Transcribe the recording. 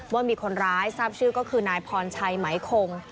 ว่ามีคนร้ายทราบชื่อก็คือนายพรชัยไหมคง